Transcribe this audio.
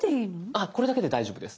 あっこれだけで大丈夫です。